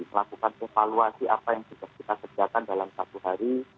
melakukan evaluasi apa yang kita sediakan dalam satu hari